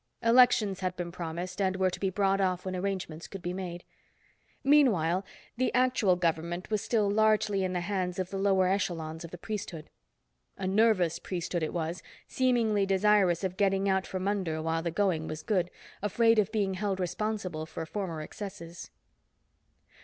Elections had been promised and were to be brought off when arrangements could be made. Meanwhile, the actual government was still largely in the hands of the lower echelons of the priesthood. A nervous priesthood it was, seemingly desirous of getting out from under while the going was good, afraid of being held responsible for former excesses.